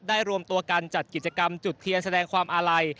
รวมตัวกันจัดกิจกรรมจุดเทียนแสดงความอาลัย